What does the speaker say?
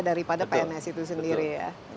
daripada pns itu sendiri ya